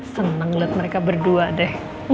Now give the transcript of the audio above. seneng lihat mereka berdua deh